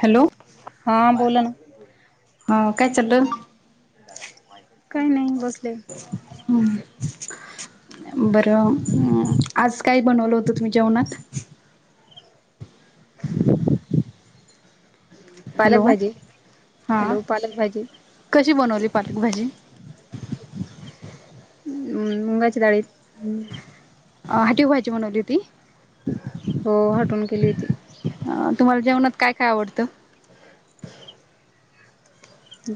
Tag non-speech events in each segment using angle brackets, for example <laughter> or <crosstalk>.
Hello हां बोला ना हा काय चालल काय नाई बसले हम्म <unintelligible> बरं अ आज काय बनवलं होतं तुम्ही जेवणात पालक हॅलो भाजी हा हॅलो पालक भाजी कशी बनवली पालक भाजी <unintelligible> मुगांचे डाळीत - अ हाटीव भाजी बनवली होती. हो हाटून केली होती. हं तुम्हाला जेवणात काय काय आवडतं? <inaudible>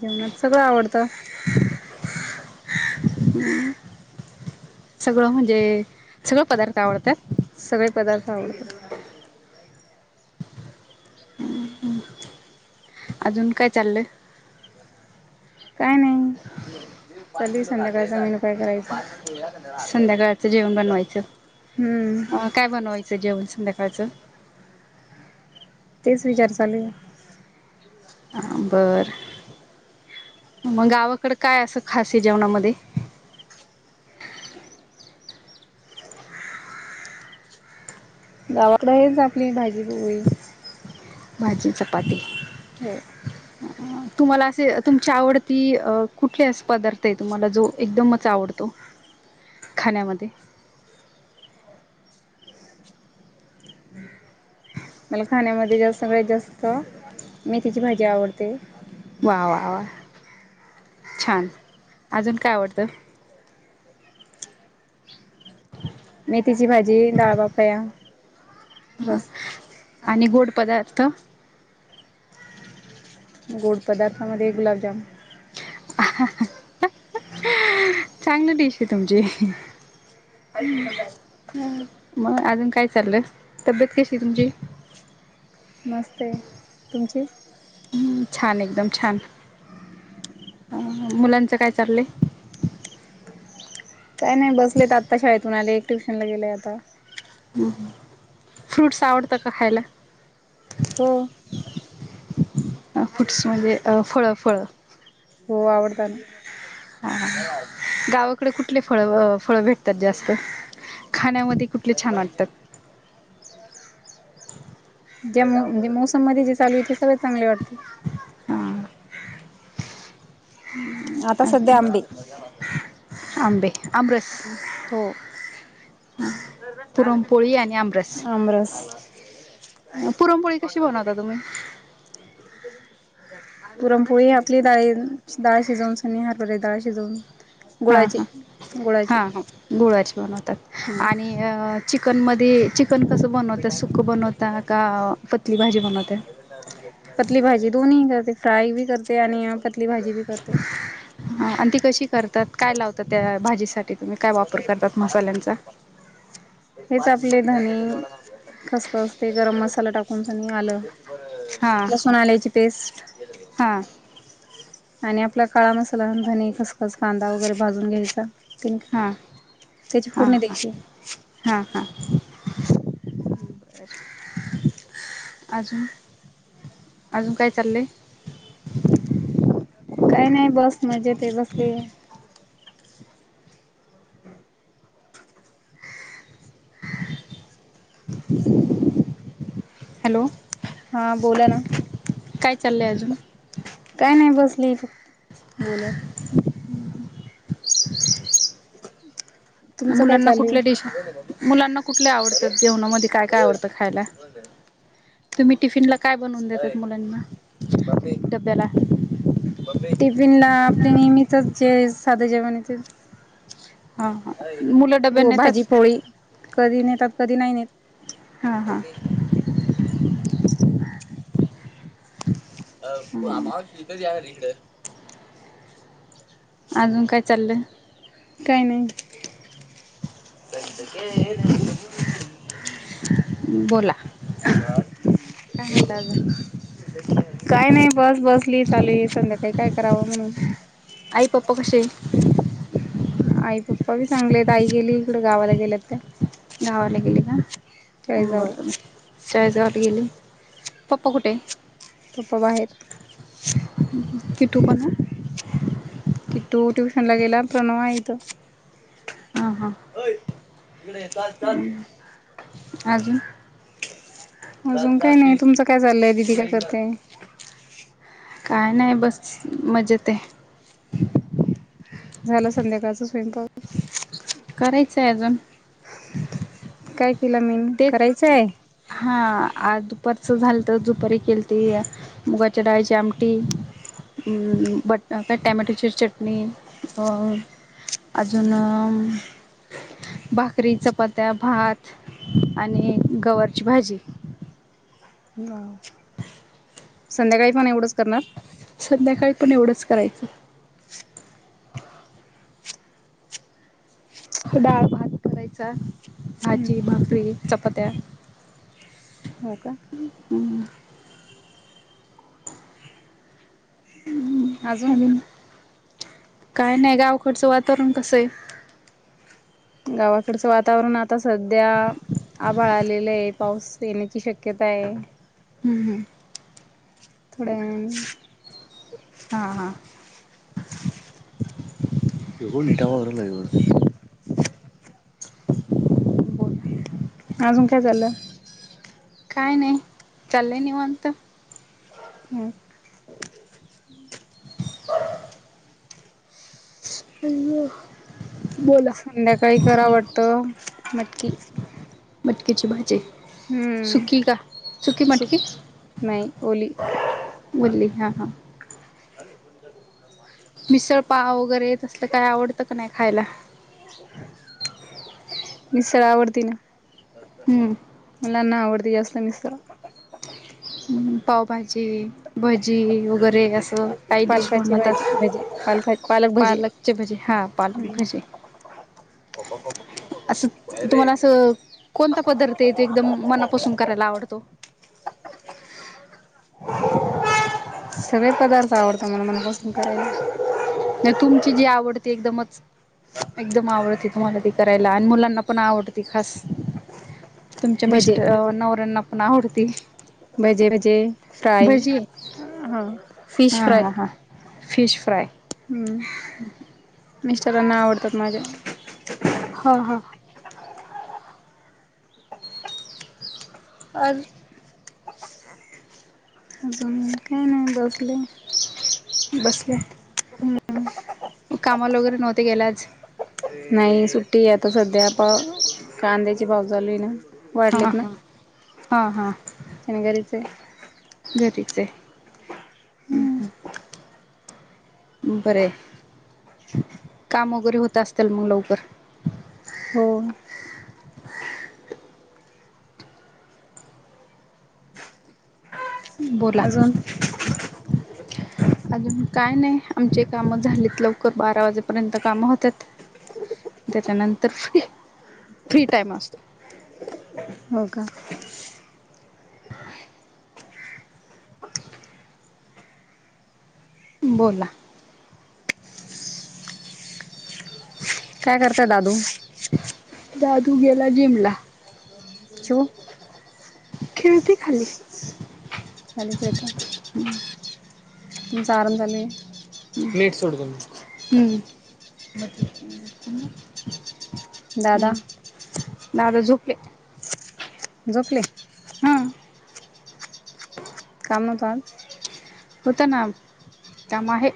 जेवणात सगळं आवडतं. सगळं म्हणजे सगळं पदार्थ आवडतात. सगळे पदार्थ आवडतात. अजून काय चाललंय काय नाही. चालूय संध्याकाळचा मेनू काय, करायचं? संध्याकाळचं जेवण बनवायचं <unintelligible> हम्म. अ काय, बनवायचं जेवण संध्याकाळचं? तेच विचार चालूय. हा, बर. मग गावाकड काय, असं खासय जेवणामध्ये? गावाकडे, हेच आपली भाजी - पोळी. भाजी- चपाती. हो. हा. तुम्हाला असे, तुमची आवडती, कुठले अस पदार्थय. तुम्हाला जो एकदमच आवडतो. खाण्यामध्ये. मला खाण्यामध्ये, जास् सगळ्यात जास्त, मेथीची भाजी आवडते. वा! वा! वा? छान! अजून काय आवडतं? मेथीची भाजी. डाळ बापया. हां, आणि गोड पदार्थ? गोड पदार्थामधे, गुलाबजाम. <unintelligible> चांगली डिशय, तुमची. <inaudible> ह. मग अजून काय चाललंय. तब्येत कशीय, तुमची? मस्तय, तुमची? हं. छान, एकदम छान. अं मुलांचं काय चाललंय? काय नाही बसलेत. आत्ता शाळेतून आले. एक ट्युशनला गेलय आता. ह, ह. फ्रूट्स आवडतं का खायला? हो अ फुट्स म्हणजे, अ फळं - फळं. हो, आवडतात न. ह. गावाकडे कुठले फळ, व फळ भेटतात जास्त. खाण्यामधी नाही, म्हणजे <unintelligible> <inaudible> ज्या मो मोसममध्ये जे चालूय, ते सगळे चांगले वाटते. हां आता सध्या, अजून आंबे. <unintelligible> आंबे. आमरस. हो पुरमपोळी आणि आंबरस. आमरस पुरमपोळी कशी, बनवता तुम्ही? <inaudible> पुरमपोळी, आपली दाळी, दाळ शिजवूनसनी. हरभऱ्याची दाळ शिजवून. हां, गुळाची हा. गुळाची हा, ह. गुळाची बनवतात. हम्म आणि अ चिकनमधी, चिकन कसं बनवता? सुकं बनवता, का पतली भाजी बनवताय? पतली भाजी. दोनीही करते. फ्राय बी करते आणि पतली भाजी बी करते. हा. अन्, ती कशी करतात? काय लावतात? त्या भाजीसाठी तुम्ही, काय वापर करतात? मसाल्यांचा. हेच आपले, धनी खसखस ते. गरम मसाला टाकून <unintelligible> आलं. लसूण - आल्याची पेस्ट. हा. आणि आपला काळा मसाला. धने, खसखस, कांदा वगैरे, भाजून घ्यायचा. ते हां. त्याची हां, हा, फोडणी द्यायची हां. हा, हा, हा. <inaudible> <inaudible> अजून? अजून, काय चाललंय? काय नाई बस मधे ते बसलेले. हॅलो. हा बोला ना. काय चाललंय अजून. काय नाई बसलेय फक्त बोलत. <unintelligible> तुमचं काय मुलांना चालू कुठल्या डिश मुलांना कुठल्या आवडतात, जेवणामध्ये काय काय आवडतं खायला. तुम्ही टिफिन ला काय बनवून देतात मुलांना डब्याला. टिफिन ला आपले नेहमितच जे साधे जेवण येत. हा हा मुलं डब्याने हो नेतात भाजी पोळी कधी नेतात कधी नाही नेत. हा हा. हम्म. <unintelligible> अजून काय चाललं. काय नाई. बोला. काय म्हणता अजून? <unintelligible> काय नाई बस बसली चालू हाय संध्याकाळी काय करावं म्हणून. आई पप्पा कशेय? आई पप्पा बी चांगलेत आई गेली इकडं गावाला गेल्यात ते. गावाला गेले का चाळीसगावला बरं. चाळीस गावात गेले पप्पा कुठेय? पप्पा बाहेर <unintelligible> किटू ट्युशन ला गेला प्रणव हाय इथ. ह हां. अय हिकडं ये चल चल. अजून अजून काय नाही तुमचं काय चाललंय दीदी काय करतेय. काय नाय बस मजेतेय. झालं संध्याकाळचं स्वयंप <inaudible> करायचंय अजून. काय केलं मीन तेच करायचंय. हा आज दुपारच झालंत जुपारी केल्ती. मुगाच्या डाळीची आमटी. बटाटा टोमॅटोची चटणी अ. अजून भाकरी चपात्या भात. आणि गवारची भाजी. संध्याकाळी पण एवढंच करणार? संध्याकाळी पण एवढंच करायचं. डाळ भात करायचा भाजी भाकरी चपात्या. हो का. हम्म. अजून काय नाय गावकडचं वातावरण कसय? गावाकडचं वातावरण आता सध्या आभाळ आलेल‌ ये पाऊस येण्याची शक्यता ये. हम्म थोड्यावेळाने. हां हां एघो नीटावारलायवड <inaudible> बोल अजून काय झालं? काय नाही चाललंय निवांत. हम्म ह बोला <inaudible> संध्याकाळी कराव वाटतं मटकी मटकीची भाजी. हम्म सूखी का सुखी सुक मटकी? नाही ओली बली हां हां. <unintelligible> मिसळ पाव वगैरे तसलं काय आवडतं का नाही खायला? मिसळ आवडती ना? हम्म. मुलांना आवडती जास्त मिसळ पावभाजी भजी वगैरे असं काही डिश पालकाची भाजी भजी पालका बनवतात भजी. पालक अछे भजी हा पाल भजी. होबा असं तुम्हाला असं कोणता पदार्थ आहे, ते एकदम मनापासून करायला आवडतो? <unintelligible> सगळे पदार्थ आवडतात मला मनापासून करायला नाही तुमची जी आवड ती एकदमच एकदम आवडती तुम्हाला ती करायला आणि मुलांना पण आवडती खास तुमच्या भजे मिस्टर नवरऱ्यांना पण आवडती. भजे रजे <unintelligible> हां हां हां फिश फ्राय. हम्म मिस्टरांना आवडतात माझ्या. हां हां. आज अजून काय नाय <unintelligible> बसले बसले. हम्म अह कामा ला वगैरे नव्हते गेला आज. नाही सुट्टी आहे, आता सध्या प कांद्याची भाव चालूय ना. हा वाढलेत हा, हा हा. त्यान गरीच घरीचे आहे. बरंय, काम वगैरे होत असत्याल मग लवकर? हो बोला! अजून अजून काय नाही आमचे काम झालीत लवकर बारा वाजेपर्यंत काम होतात. त्याच्यानंतर फ्री, फ्री टाइम असतो हो का बोला काय करतय दादू जादू गेला जिमला चिऊ खेळती खाली <unintelligible> <unintelligible> जार झाले मी एक सोड दे ना दादा हम् दादा झोपले झोपले ह कामच आज होत ना काम आहे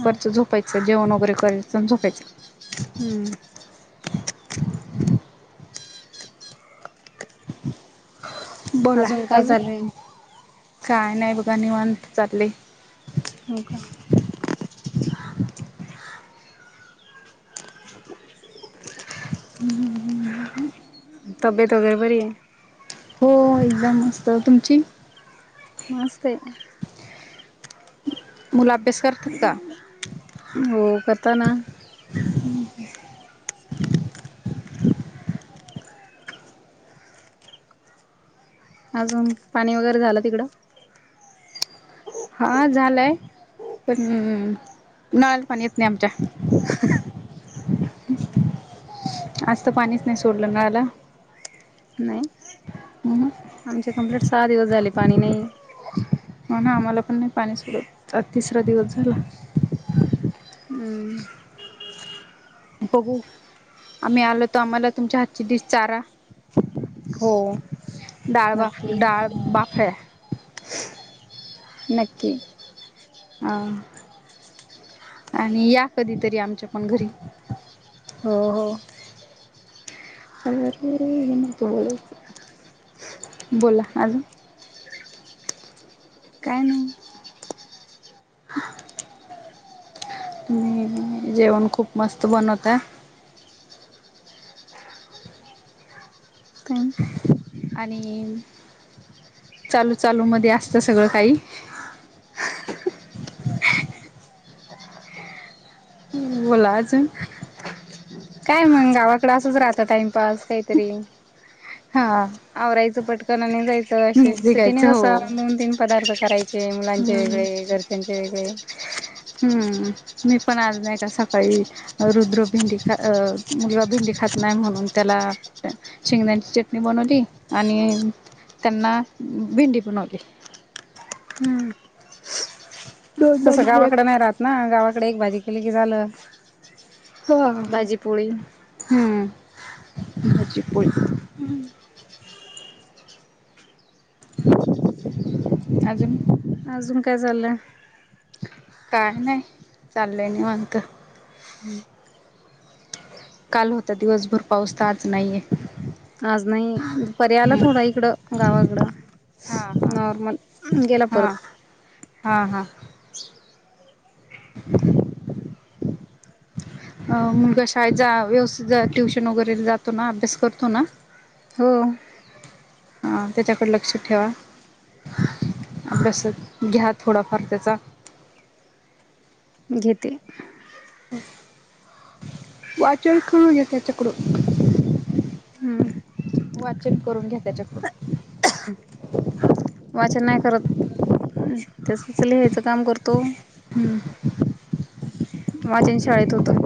हां झोप झोपायं जेवण वगैेरे करायचं अन झोपायचं हम्म बोला काय अजून चालू आहे काय नाही बघा निवांत चाललय हो का तब्बेत वगैरे बरी आहे हो एकदम मस्त तुमची मस्त आहे मुल अभ्यास करतात का हो कता ना अजून पाणी वगैरे झालं तिकडं हां झालंय पण नळाला पाणी येत नाही आमच्या आज तर पाणीच नाही सोडलं नळाला नाही आमचे कंप्लीट सहा दिवस झाले पाणी नाही हो ना आम्हाला पण नाही पाणी सोडत आज तिसरा दिवस झाला हम्म. बघू आम्ही आलो तर आम्हाला तुमच्या हातची डिश चारा हो डाळ बाफ नक्की डाळ बाफाळा नक्की अ आणि या कधी तरी आमच्या पण घरी हो, हो बोला अजून काही नाही <unintelligible> तुम्ही जेवण खूप मस्त बनवताय काय आणि चालू, चालू मध्ये असत सगळं काही बोला अजून काय मग गावाकडे असंच राहतं टाइमपास काहीतरी हा आवरायचं पटकन आणि जायचं अ मेथी सिटिने खायचं हो कसं दोन, तीन पदार्थ करायच चे मुलांचे हम्म वेगळे घरच्यांचे वेगळे हम्म मी पण आज नाय का सकाळी रुद्र भेंडी खा अ मुलगा भेंडी खात नाय म्हणून त्याला शेंगदाण्याची चटणी बनवली आणि त्यांना भेंडी बनवली. हम्म दोनदा तसं भाज्या गावाकड नाय राहत ना गावाकड एक भाजी केली की झालं. हो भाजी पोळी हम्म भाजी पोळी हम्म आजून अजून काय चालंलय काय नाय चाललंय निवांत काल होता दिवसभर पाऊस त आज नाहीये. आज नाई दुपारी आला थोडा इकडं गावाकडं हा हा नॉर्मल गेला हा परत हा हा <unintelligible> अ मुलगा शाळेजा व्यवस्थित ट्युशन वगैरे ला जातो ना अभ्यास करतो ना हो. हा त्याच्याकड लक्ष ठेवा. अभ्यास घ्या थोडाफार त्याचा घेेते. वाचन करून घ्या त्याच्याकडून हम्म वाचन करून घ्या त्याच्याकुण वाचन नाय करत तसच लिहायचं काम करतो हम्म वाचन शाळेत होतं.